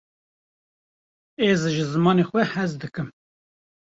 ez ji zimanê xwe hez dikim